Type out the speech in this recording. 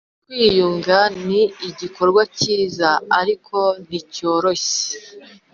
kwiyunga ni igikorwa cyiza ariko nticyoroshye